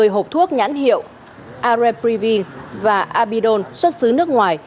ba mươi hộp thuốc nhãn hiệu areprevine và abidol xuất xứ nước ngoài